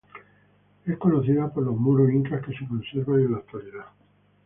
Es conocida por los muros incas que se conservan en la actualidad.